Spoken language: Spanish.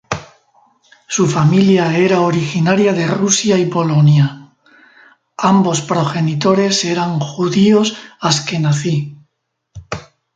Su familia era originaria de Rusia y Polonia; ambos progenitores eran judíos asquenazí.